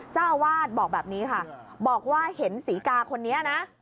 เจ้าอาวาสบอกแบบนี้ค่ะบอกว่าเห็นศรีกาคนนี้นะ